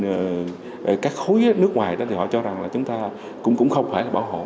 thì đây là những cái mà chính sách mà các khối nước ngoài đó thì họ cho rằng là chúng ta cũng không phải là bảo hộ